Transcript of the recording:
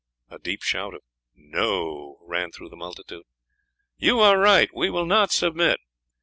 A deep shout of "No!" ran through the multitude. "You are right, we will not submit.